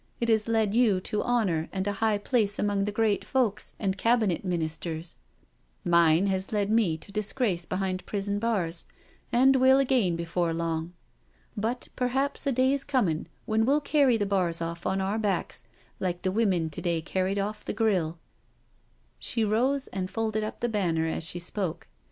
It has led you to honour and a high place among the great folks and Cabinet Min isters—mine has led me to disgrace behind prison bars, and will again before long. But perhaps a day's coming when we*ll carry the bars off on our backs, like the women to day carried off the grille.'* She rose and folded up the banner as she spoke.